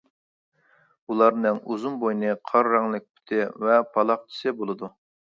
ئۇلارنىڭ ئۇزۇن بوينى، قارا رەڭلىك پۇتى ۋە پالاقچىسى بولىدۇ.